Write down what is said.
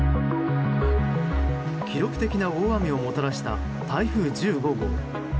記録的な大雨をもたらした台風１５号。